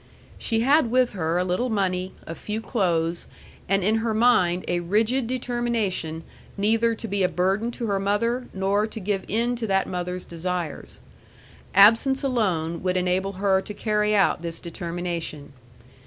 She had with her a little money, a few clothes, and in her mind a rigid determination neither to be a burden to her mother nor to give in to that mother's desires. Absence alone would enable her to carry out this determination.